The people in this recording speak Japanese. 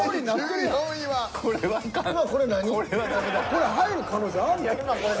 これ入る可能性あるの？